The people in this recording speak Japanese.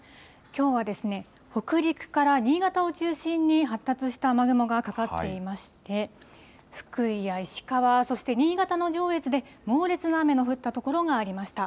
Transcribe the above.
きょうは北陸から新潟を中心に、発達した雨雲がかかっていまして、福井や石川、そして新潟の上越で猛烈な雨の降った所がありました。